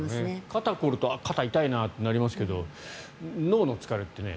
肩が凝ると肩が痛いなとなりますが脳の疲れってね。